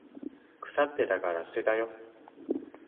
腐ってたから捨てたよ。